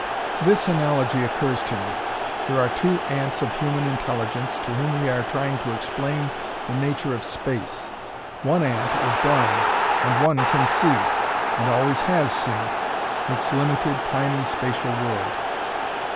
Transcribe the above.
This analogy occurs to me: There are two ants of human intelligence to whom we are trying to explain the nature of Space. One ant is blind, and one can see, and always has seen, its limited, tiny, Spatial world.